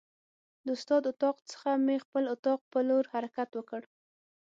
د استاد اتاق څخه مې خپل اتاق په لور حرکت وکړ.